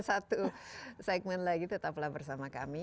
satu segmen lagi tetaplah bersama kami